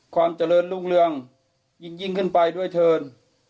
ความเจริญรุ่งเรืองยิ่งขึ้นไปด้วยเถิน